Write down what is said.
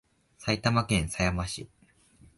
埼玉県狭山市